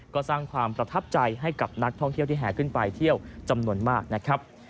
ก็สร้างความประทับใจให้กับนักท่องเที่ยวที่แห่ขึ้นไปเที่ยวจำนวนมากนะครับ